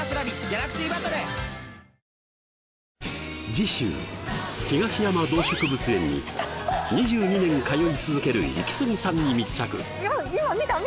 次週東山動植物園に２２年通い続けるイキスギさんに密着！